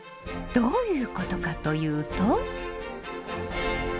どういうことかというと。